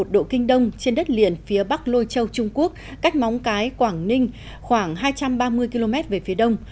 một trăm một mươi một độ kinh đông trên đất liền phía bắc lôi châu trung quốc cách móng cái quảng ninh khoảng hai trăm ba mươi km về phía đông